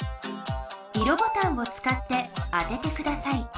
色ボタンをつかって当ててください。